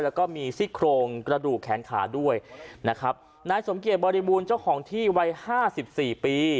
แล้วก็มีซี่โครงกระดูกแขนขาด้วยนะครับนายสมเกียจบริบูรณ์เจ้าของที่วัยห้าสิบสี่ปี